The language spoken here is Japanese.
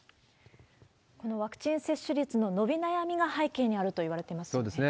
ワクチン接種率の伸び悩みが背景にあるといわれてますよね。